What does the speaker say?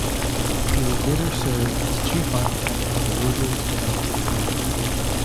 He would later serve as chief architect for The Woodlands Development Company.